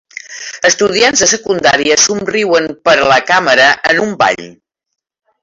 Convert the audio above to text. Estudiants de secundària somriuen per a la càmera en un ball.